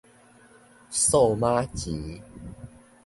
數碼錢